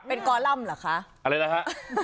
เป็นกอล่ำเหรอคะ